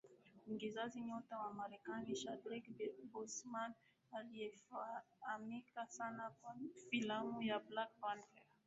Mwigizaji nyota wa Marekani Chadwick Boseman aliyefahamika sana kwa filamu ya Black Panther